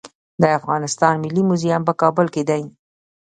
د افغانستان ملي موزیم په کابل کې دی